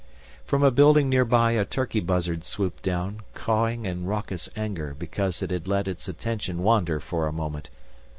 From a building nearby a turkey buzzard swooped down, cawing in raucous anger because it had let its attention wander for a moment.